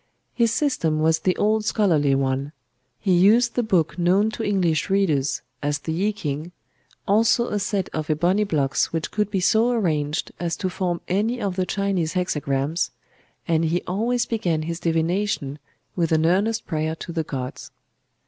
His system was the old scholarly one: he used the book known to English readers as the Yî King,—also a set of ebony blocks which could be so arranged as to form any of the Chinese hexagrams;—and he always began his divination with an earnest prayer to the gods.